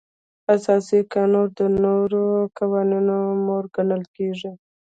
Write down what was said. اساسي قانون د نورو قوانینو مور ګڼل کیږي.